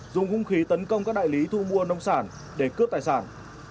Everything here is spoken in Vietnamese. dùng hung khí tấn công các đại lý thu mua nông sản để cướp tài sản